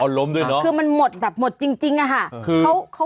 เอาล้มด้วยเนอะคือมันหมดแบบหมดจริงจริงอ่ะค่ะ